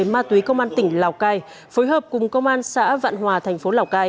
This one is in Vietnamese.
ma túy công an tỉnh lào cai phối hợp cùng công an xã vạn hòa thành phố lào cai